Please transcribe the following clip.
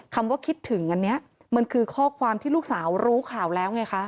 คำว่าคิดถึงอันนี้มันคือข้อความที่ลูกสาวรู้ข่าวแล้วไงคะ